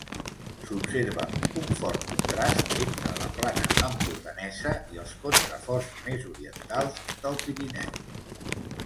S'observa un fort contrast entre la plana empordanesa i els contraforts més orientals del Pirineu.